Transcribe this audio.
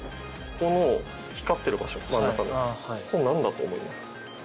この光ってる場所真ん中のこれ何だと思いますか？